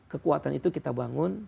kekuatan itu kita bangun